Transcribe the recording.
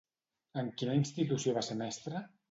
En quina institució va ser mestra?